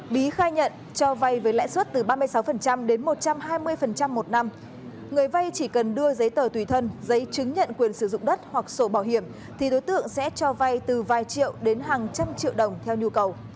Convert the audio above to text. bí khai nhận cho vay với lãi suất từ ba mươi sáu đến một trăm hai mươi một năm người vay chỉ cần đưa giấy tờ tùy thân giấy chứng nhận quyền sử dụng đất hoặc sổ bảo hiểm thì đối tượng sẽ cho vay từ vài triệu đến hàng trăm triệu đồng theo nhu cầu